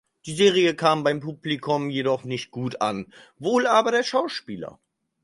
Die Serie kam beim Publikum jedoch nicht gut an, wohl aber der Schauspieler.